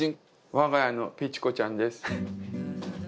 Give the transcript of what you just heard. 我が家のペチコちゃんです。